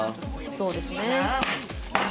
そうですね。